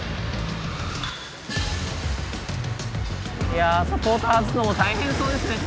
いやあサポート外すのも大変そうですね